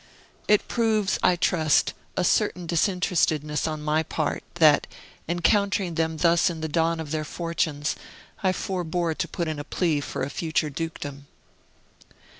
It proves, I trust, a certain disinterestedness on my part, that, encountering them thus in the dawn of their fortunes, I forbore to put in a plea for a future dukedom.